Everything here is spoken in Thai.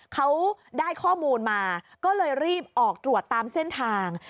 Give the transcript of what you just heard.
เขาได้ข้อมูลมาก็เลยรีบออกตรวจตามเส้นทาง